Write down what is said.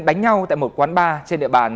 đánh nhau tại một quán bar trên địa bàn